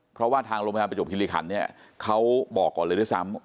เพราะว่าทางโรงพยาบาลประจบคิริขันเนี่ยเขาบอกก่อนเลยด้วยซ้ำ